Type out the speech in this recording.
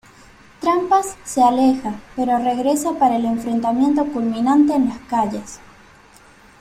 Trampas se aleja, pero regresa para el enfrentamiento culminante en las calles.